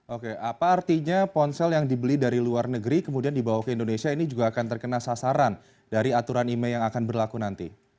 oke apa artinya ponsel yang dibeli dari luar negeri kemudian dibawa ke indonesia ini juga akan terkena sasaran dari aturan email yang akan berlaku nanti